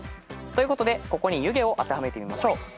ということでここに「ゆげ」を当てはめてみましょう。